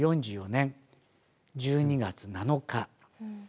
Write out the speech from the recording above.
１９４４年１２月７日。